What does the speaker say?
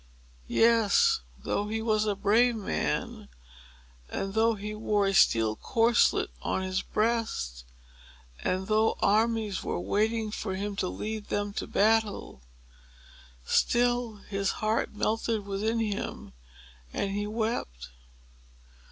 Yes; though he was a brave man, and though he wore a steel corselet on his breast, and though armies were waiting for him to lead them to battle,—still, his heart melted within him, and he wept.